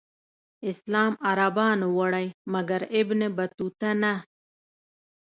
اسلام عربانو وړی مګر ابن بطوطه نه.